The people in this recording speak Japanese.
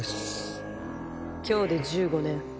今日で１５年。